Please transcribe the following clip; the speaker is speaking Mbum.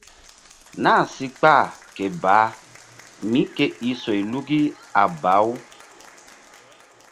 Na si kpah ke baah mí ke i soyluki a baw.